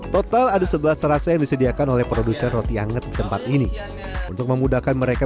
total ada sebelas rasa yang disediakan oleh produsen roti anget tempat ini untuk memudahkan mereka